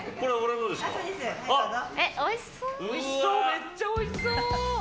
めっちゃおいしそう！